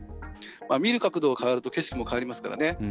見る角度を変えると景色も変わりますからね。